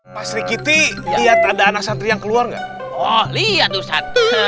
pasri kitty lihat ada anak santri yang keluar nggak oh lihat